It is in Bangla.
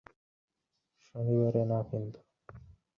সতর্ক দৃষ্টি রাখবে।